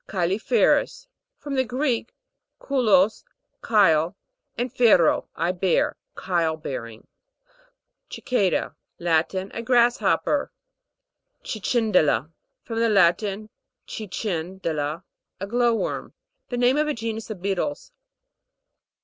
CHYLI'FEROUS. From the Greek, chulos, chyle, and fero, I bear. Chyle bearing. CICA'DA. Latin. A grasshopper. CICIN'DELA. From the Latin, cicen' dela, a glow worm. Name of a genus of beetles.